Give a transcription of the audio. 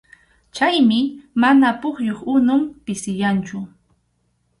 Chaymi mana pukyup unun pisiyanchu.